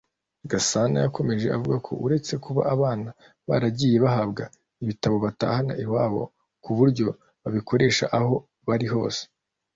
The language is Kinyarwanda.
Gasana yakomeje avuga ko uretse kuba abana baragiye bahabwa ibitabo batahana iwabo ku buryo babikoresha aho bari hose